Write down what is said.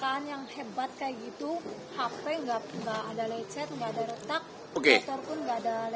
hp gak ada lecet gak ada retak